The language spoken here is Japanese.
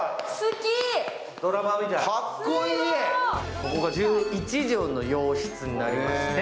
ここが１１畳の洋室になりまして。